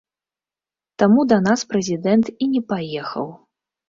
Таму да нас прэзідэнт і не паехаў!